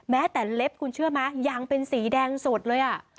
แม้แต่เล็บคุณเชื่อไหมยางเป็นสีแดงสดเลย